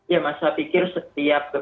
ya mas saya pikir setiap